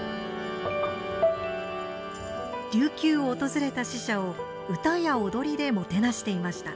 琉球を訪れた使者を唄や踊りでもてなしていました。